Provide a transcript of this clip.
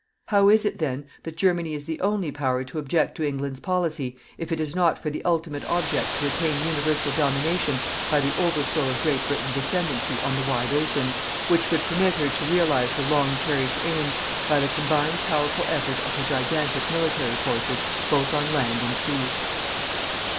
How is it then that Germany is the only Power to object to England's policy, if it is not for the ultimate object to attain universal domination by the overthrow of Great Britain's ascendency on the wide oceans, which would permit her to realize her long cherished aim by the combined powerful effort of her gigantic military forces both on land and sea.